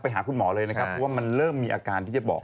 หาคุณหมอเลยนะครับเพราะว่ามันเริ่มมีอาการที่จะบอก